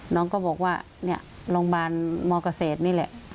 น้องก็บอกว่าลงบารมเกษตรนี้แหละ